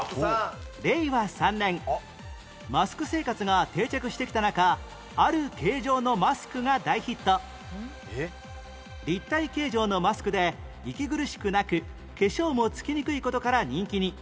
令和３年マスク生活が定着してきた中立体形状のマスクで息苦しくなく化粧もつきにくい事から人気に